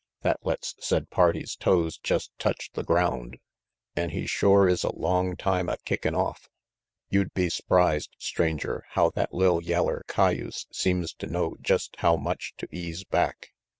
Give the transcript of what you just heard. That lets said party's toes jest touch the ground, an' he shore is a long time a kickin' off. You'd be s'prised, Stranger, how that li'l yeller cayuse seems to know jest how much to ease back.